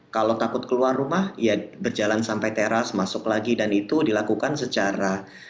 kalau takut keluar rumah ya berjalan sampai teras masuk lagi dan itu dilakukan secara